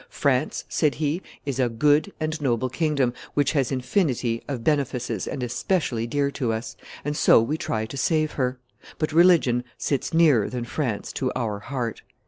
"France," said he, "is a good and noble kingdom, which has infinity of benefices and is specially dear to us; and so we try to save her; but religion sits nearer than France to our heart."